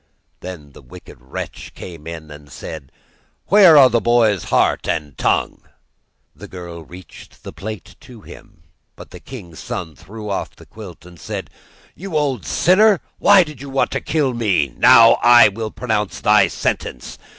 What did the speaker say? Then the wicked wretch came in and said: 'Where are the boy's heart and tongue?' The girl reached the plate to him, but the king's son threw off the quilt, and said: 'You old sinner, why did you want to kill me? Now will I pronounce thy sentence.